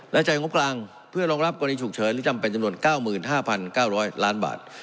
และใช้งบกลางเพื่อรองรับกรณีฉุกเฉินหรือจำเป็นจำนวน๙๕๙๐๐ล้านบาท